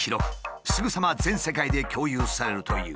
すぐさま全世界で共有されるという。